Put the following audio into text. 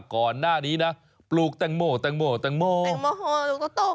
ก่อนหน้านี้ปลูกแตงโมขวัญ